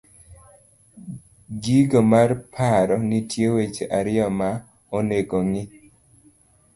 giko mar paro .nitie weche ariyo ma onego ng'i.